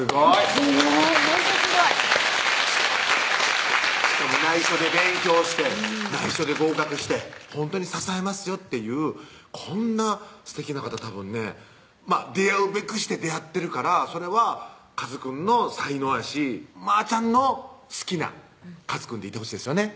すごいほんとすごいしかもないしょで勉強してないしょで合格してほんとに支えますよっていうこんなすてきな方たぶんね出会うべくして出会ってるからそれはかずくんの才能やしまーちゃんの好きなかずくんでいてほしいですよね